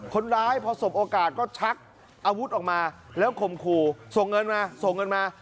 คนร้ายพอสมโอกาสก็ชักอาวุธออกมาแล้วข่มขู่ส่งเงินมา